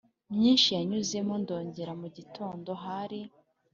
myinshi yanyuzemo ndongera mugitondo hari